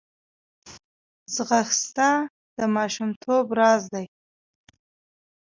ځغاسته د ماشومتوب راز دی